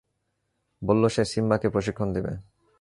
বললো সে সিম্বাকে প্রশিক্ষণ দিবে!